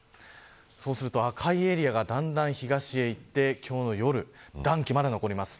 そうすると赤いエリアがだんだん東へ行って今日の夜、暖気まだ残ります。